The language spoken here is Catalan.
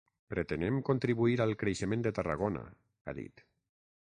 “Pretenem contribuir al creixement de Tarragona”, ha dit.